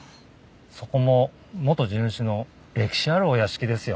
そこも元地主の歴史あるお屋敷ですよ。